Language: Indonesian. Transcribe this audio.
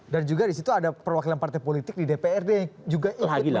dan juga disitu ada perwakilan partai politik di dprd yang juga ikut menjalani itu kan